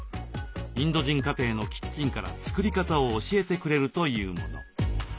インド人家庭のキッチンから作り方を教えてくれるというもの。